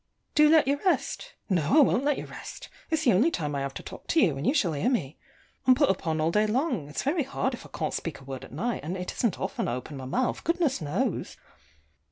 Do let you rest? No, I won't let you rest. It's the only time I have to talk to you, and you shall hear me. I'm put upon all day long: it's very hard if I can't speak a word at night; and it isn't often I open my mouth, goodness knows!